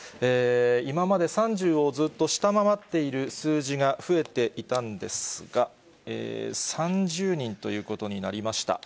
今まで３０をずっと下回っている数字が増えていたんですが、３０人ということになりました。